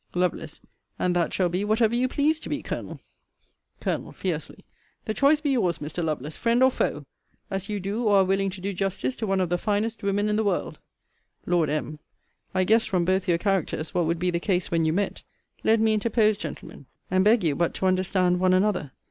Lovel. And that shall be, whatever you please to be, Colonel. Col. (fiercely) The choice be your's, Mr. Lovelace. Friend or foe! as you do or are willing to do justice to one of the finest women in the world. Lord M. I guessed, from both your characters, what would be the case when you met. Let me interpose, gentlemen, and beg you but to understand one another.